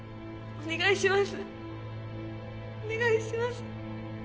お願いします